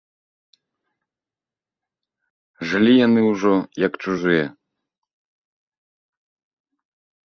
Жылі яны ўжо, як чужыя.